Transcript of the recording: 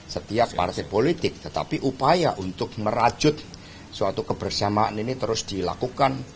setiap partai politik tetapi upaya untuk merajut suatu kebersamaan ini terus dilakukan